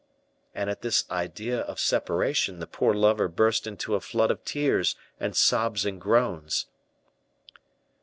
And at this idea of separation the poor lover burst into a flood of tears and sobs and groans.